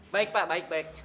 baik pak baik baik